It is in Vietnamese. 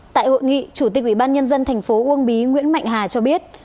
tại hội nghị chủ tịch ủy ban nhân dân tp uông bí nguyễn mạnh hà cho biết